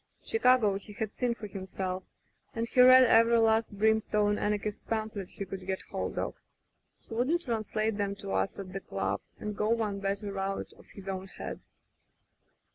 Chicago he had seen for himself, and he read every last brim stone anarchist pamphlet he could get hold of. He would translate 'em to us at the club and go one better out of his own head.